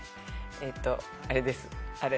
えーっとあれですあれ。